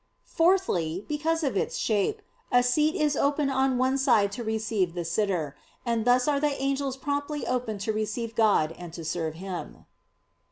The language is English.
Fourthly, because in its shape, a seat is open on one side to receive the sitter; and thus are the angels promptly open to receive God and to serve Him.